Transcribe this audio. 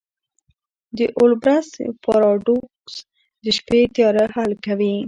د اولبرس پاراډوکس د شپې تیاره حل کوي.